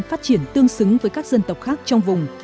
phát triển tương xứng với các dân tộc khác trong vùng